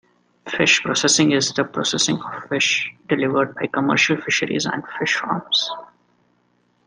Fish processing is the processing of fish delivered by commercial fisheries and fish farms.